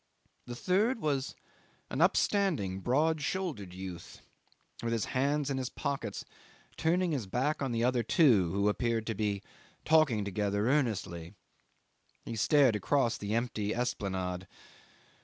The third was an upstanding, broad shouldered youth, with his hands in his pockets, turning his back on the other two who appeared to be talking together earnestly. He stared across the empty Esplanade.